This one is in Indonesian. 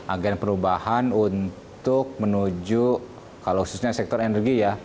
agen perubahan untuk menuju khususnya sektor energi